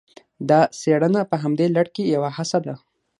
دا څېړنه په همدې لړ کې یوه هڅه ده